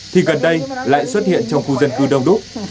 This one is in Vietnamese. thì gần đây lại xuất hiện trong khu dân cư đông đúc